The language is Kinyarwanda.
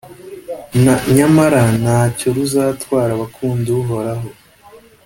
Nyamara nta cyo ruzatwara abakunda Uhoraho,